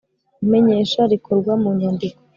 Imenyesha rikorwa mu nyandiko